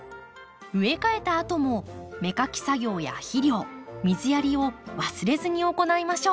植え替えたあとも芽かき作業や肥料水やりを忘れずに行いましょう。